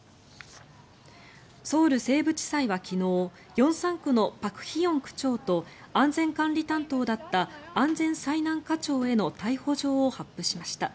ソウル西部地裁は昨日龍山区のパク・ヒヨン区長と安全管理担当だった安全災難課長への逮捕状を発付しました。